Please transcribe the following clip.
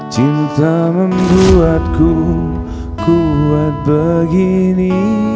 cinta membuatku kuat begini